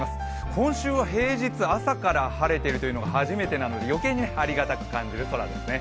今週は平日、朝から晴れているのが初めてなので余計にありがたく感じる空ですね。